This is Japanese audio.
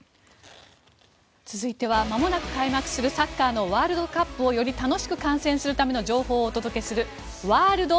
続いてはまもなく開幕するサッカーのワールドカップをより楽しく観戦するための情報をお届けするワールド！